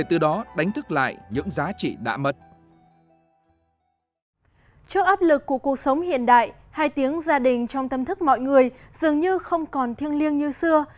trước áp lực của cuộc sống hiện đại hai tiếng gia đình trong tâm thức mọi người dường như không còn thiêng liêng như xưa